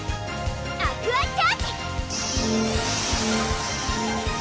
アクアチャージ！